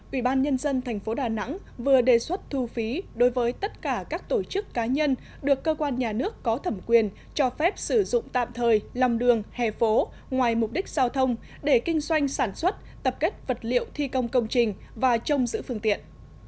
ủy ban nhân dân thành phố đà nẵng vừa đề xuất thu phí đối với tất cả các tổ chức cá nhân được cơ quan nhà nước có thẩm quyền cho phép sử dụng tạm thời lòng đường hè phố ngoài mục đích giao thông để kinh doanh sản xuất tập kết vật liệu thi công công trình và trông giữ phương tiện